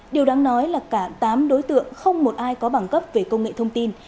điều đáng nói là cả tám đối tượng không một ai có bằng cấp về công nghệ thông tin